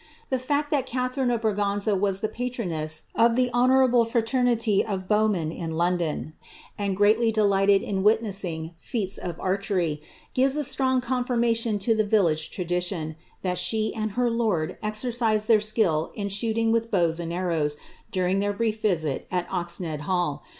The (act that Catharine of Bngmina was the patroness of the honourable fraternity of bowmen in London, and gnidy delighted in witnessing feats of archery, gives a strong confirmation to the village tradition, that she and her lord exercised their skill in shoot ing with bows and arrows, during their brief visit at Oxnead hall.